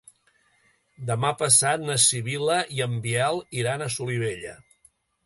Demà passat na Sibil·la i en Biel iran a Solivella.